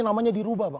namanya dirubah pak